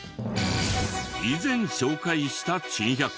以前紹介した珍百景では。